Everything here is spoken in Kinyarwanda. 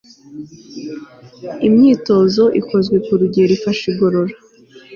imyitozo ikozwe ku rugero ifasha igogora